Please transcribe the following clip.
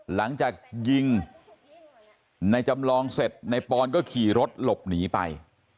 หลังจากยิงในจำลองเสร็จในปอนก็ขี่รถหลบหนีไป